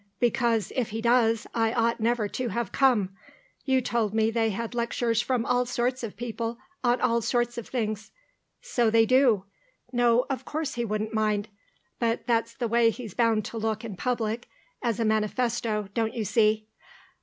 Because, if he does, I ought never to have come. You told me they had lectures from all sorts of people on all sorts of things." "So they do. No, of course he wouldn't mind. But that's the way he's bound to look in public, as a manifesto, don't you see.